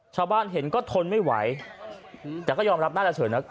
ชาวบ้านเห็นก็ทนไม่ไหวแต่ก็ยอมรับน่าจะเฉยนะ